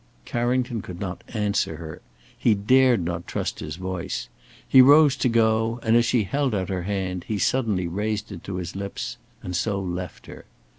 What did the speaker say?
Carrington could not answer her. He dared not trust his voice. He rose to go, and as she held out her hand, he suddenly raised it to his lips, and so left her.